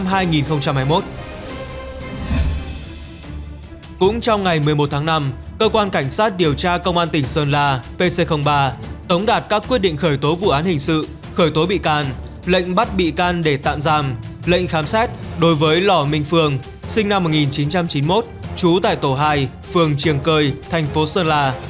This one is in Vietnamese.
cũng trong ngày một mươi một tháng năm cơ quan cảnh sát điều tra công an tỉnh sơn la pc ba tống đạt các quyết định khởi tố vụ án hình sự khởi tố bị can lệnh bắt bị can để tạm giam lệnh khám xét đối với lỏ minh phương sinh năm một nghìn chín trăm chín mươi một trú tại tổ hai phường triềng cơi thành phố sơn la